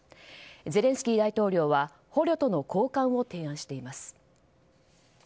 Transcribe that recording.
ゼレンスキー大統領は捕虜との交換を提案しています。